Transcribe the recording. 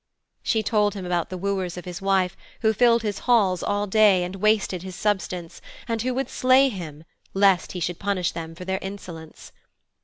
She told him about the wooers of his wife, who filled his halls all day, and wasted his substance, and who would slay him, lest he should punish them for their insolence.